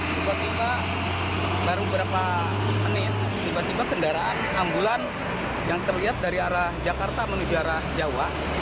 tiba tiba baru beberapa menit tiba tiba kendaraan ambulan yang terlihat dari arah jakarta menuju arah jawa